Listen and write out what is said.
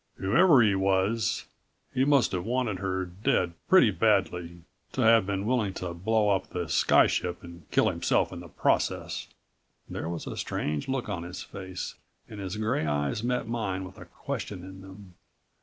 "Whoever he was, he must have wanted her dead pretty badly ... to have been willing to blow up the sky ship and kill himself in the process." There was a strange look on his face and his gray eyes met mine with a question in them.